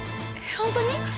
本当に！？